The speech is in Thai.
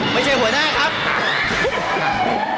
ไม่ใช่หัวหน้าครับ